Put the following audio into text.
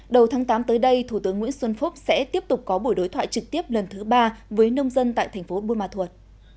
đầu tháng tám tới đây thủ tướng nguyễn xuân phúc sẽ tiếp tục có buổi đối thoại trực tiếp lần thứ ba với nông dân tại thành phố buôn ma thuột